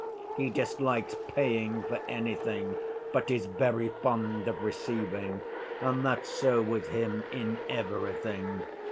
He dislikes paying for anything, but is very fond of receiving, and that's so with him in everything.